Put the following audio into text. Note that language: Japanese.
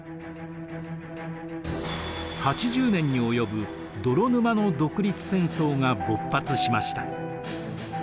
８０年に及ぶ泥沼の独立戦争が勃発しました。